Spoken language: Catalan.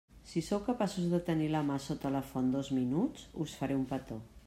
Si sou capaços de tenir la mà sota la font dos minuts, us faré un petó.